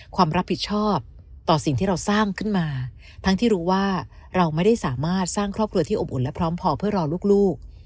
ความรับผิดชอบต่อสิ่งที่เราสร้างขึ้นมาทั้งที่รู้ว่าเราไม่ได้สามารถสร้างครอบครัวที่อบอุ่นและพร้อมพอเพื่อรอลูก